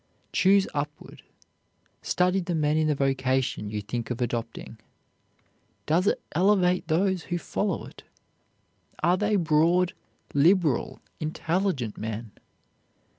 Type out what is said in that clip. Choose upward, study the men in the vocation you think of adopting. Does it elevate those who follow it? Are they broad, liberal, intelligent men?